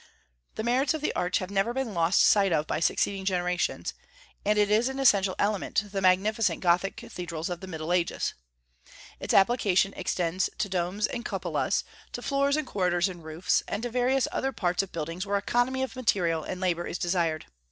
The merits of the arch have never been lost sight of by succeeding generations, and it is an essential element in the magnificent Gothic cathedrals of the Middle Ages. Its application extends to domes and cupolas, to floors and corridors and roofs, and to various other parts of buildings where economy of material and labor is desired.